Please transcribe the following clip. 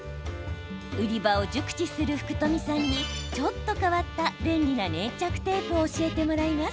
売り場を熟知する福冨さんにちょっと変わった便利な粘着テープを教えてもらいます。